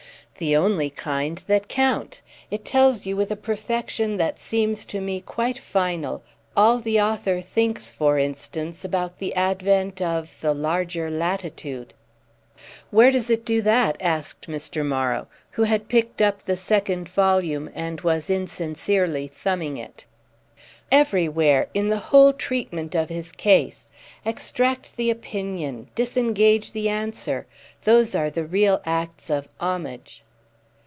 "The only kind that count. It tells you with a perfection that seems to me quite final all the author thinks, for instance, about the advent of the 'larger latitude.'" "Where does it do that?" asked Mr. Morrow, who had picked up the second volume and was insincerely thumbing it. "Everywhere—in the whole treatment of his case. Extract the opinion, disengage the answer—those are the real acts of homage."